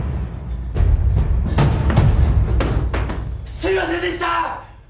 すいませんでした！